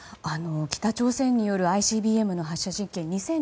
北朝鮮によるＩＣＢＭの発射実験